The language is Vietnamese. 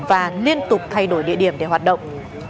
và liên tục thay đổi địa điểm để hoạt động